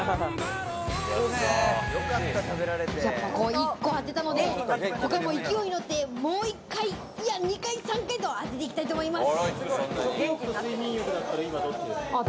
１個当てたので、ここはもう勢いに乗って、もう１回、２回、３回と当てていきたいと思います。